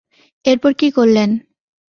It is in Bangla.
এরপর কী করলে?